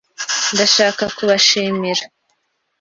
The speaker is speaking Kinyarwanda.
Ndashaka kubashimira.